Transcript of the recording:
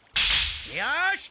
よし！